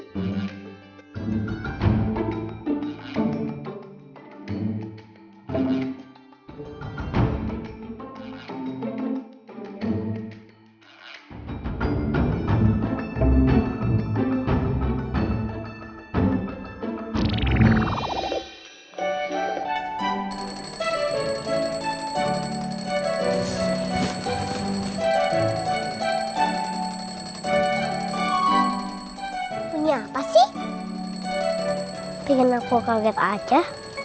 punya apa sih pengen aku kaget aja